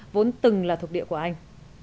vốn từng là thuộc địa của anh